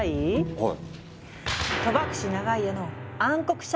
はい！